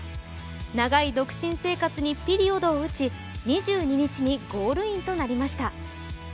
長い独身生活にピリオドを打ち２２日にゴールインとなりました。